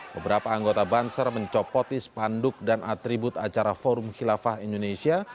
beberapa anggota banser mencopoti spanduk dan atribut acara forum khilafah indonesia